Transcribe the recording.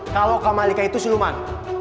kalau kamalika itu siluman